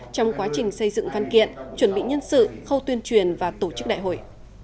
trong quá trình xây dựng văn kiện chuẩn bị nhân sự khâu tuyên truyền và tổ chức đại hội